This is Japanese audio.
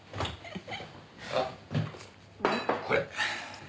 あっこれ。